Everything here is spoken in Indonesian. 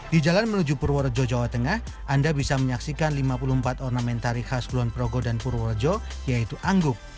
di jalan menuju purworejo jawa tengah anda bisa menyaksikan lima puluh empat ornamen tari khas kulon progo dan purworejo yaitu angguk